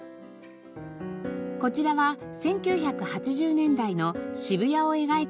こちらは１９８０年代の渋谷を描いた作品。